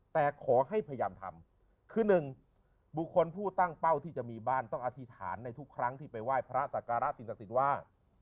แต่ขอให้พยายามทำคือหนึ่งบุคคลผู้ตั้งเป้าที่จะมีบ้านต้องอธิษฐานในทุกครั้งที่ไปไหว้พระสักการะสิ่งศักดิ์สิทธิ์ว่า